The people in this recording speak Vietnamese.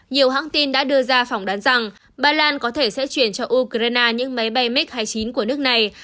nhiều hãng tin đã đưa ra phỏng đoán rằng ba lan có thể sẽ chuyển cho ukraine những máy bay mig hai mươi chín của nước này